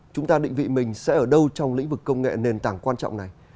chúng ta định vị mình sẽ ở đâu trong lĩnh vực công nghệ nền tảng quan trọng này